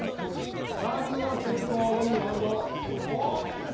まずは先攻信子さんの大喜利です。